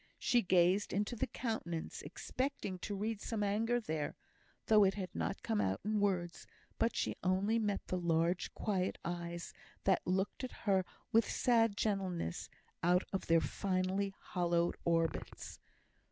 She gazed into the countenance, expecting to read some anger there, though it had not come out in words; but she only met the large, quiet eyes, that looked at her with sad gentleness out of their finely hollowed orbits.